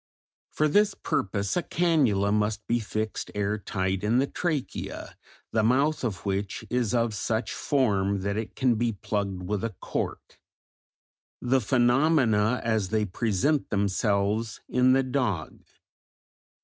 For this purpose a cannula must be fixed air tight in the trachea, the mouth of which is of such form that it can be plugged with a cork. ... The phenomena as they present themselves in the dog.